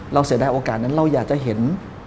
เสียดายโอกาสนั้นเราอยากจะเห็น